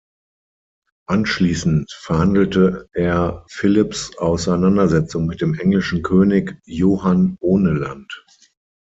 Anschließend verhandelte er Philipps Auseinandersetzung mit dem englischen König Johann Ohneland.